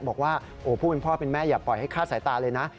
บอกว่าผู้เป็นพ่อเป็นแม่อย่าปล่อยให้คาดสายตาเลยนะ